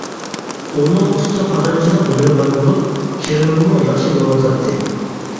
ئۇنىڭ ئۇستا قازانچىلىق ھۈنىرى بار بولۇپ، كىرىمىمۇ ياخشى بولۇۋاتاتتى.